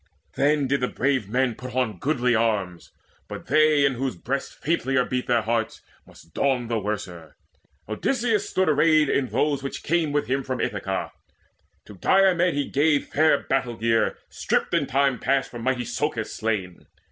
Then did the brave man put on goodly arms; But they in whose breasts faintlier beat their hearts Must don the worser. Odysseus stood arrayed In those which came with him from Ithaca: To Diomede he gave fair battle gear Stripped in time past from mighty Socus slain.